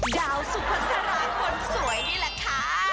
ดาวซุปประสาราคนสวยนี่แหละค่ะ